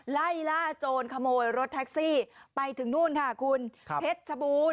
ไล่ล่าโจรขโมยรถแท็กซี่ไปถึงนู่นค่ะคุณเพชรชบูรณ